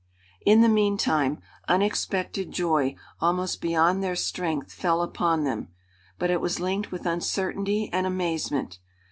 In the meantime unexpected joy, almost beyond their strength, fell upon them. But it was linked with uncertainty and amazement.